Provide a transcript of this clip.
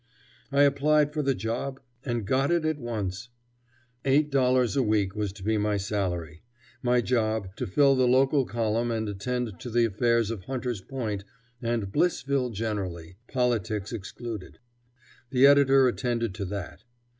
I applied for the job, and got it at once. Eight dollars a week was to be my salary; my job, to fill the local column and attend to the affairs of Hunter's Point and Blissville generally, politics excluded. The editor attended to that.